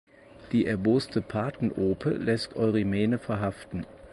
Die erboste Partenope lässt Eurimene verhaften.